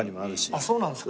あっそうなんですか？